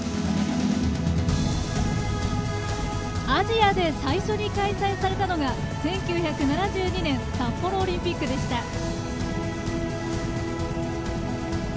アジアで最初に開催されたのが１９７２年札幌オリンピックでした。